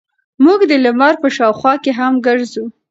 موږ د لمر په شاوخوا کې هم ګرځو.